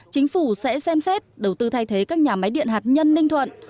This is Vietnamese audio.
chính phủ sẽ xem xét đầu tư thay thế các nhà máy điện hạt nhân ninh thuận